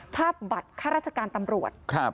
บัตรข้าราชการตำรวจ